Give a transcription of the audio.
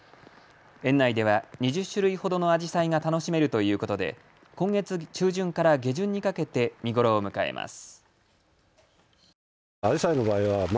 園内では２０種類ほどのあじさいが楽しめるということで今月中旬から下旬にかけて見頃を迎えます。